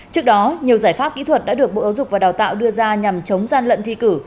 trước đó nhiều giải pháp kỹ thuật đã được bộ giáo dục và đào tạo đưa ra nhằm chống gian lận thi cử